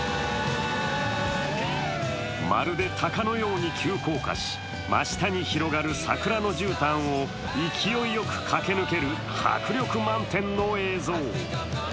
まるで鷹のように急降下し真下に広がる桜のじゅうたんを勢いよく駆け抜ける迫力満点の映像。